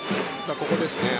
ここですね。